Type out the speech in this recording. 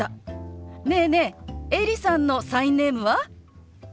ねえねえエリさんのサインネームは？